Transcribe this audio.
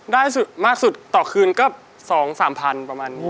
ได้มากสุดต่อคืนก็๒๓๐๐๐ประมาณนี้